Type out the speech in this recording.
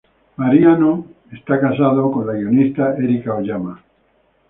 Marino está casado con la guionista Erica Oyama.